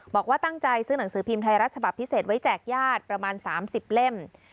บอกว่าตั้งใจซื้อหนังสือพิมพ์ไทยรัฐฉบับพิเศษไว้แจกญาติประมาณ๓๐เล่ม